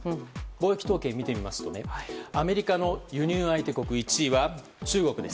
貿易統計を見てみますとアメリカの輸入相手国１位は中国。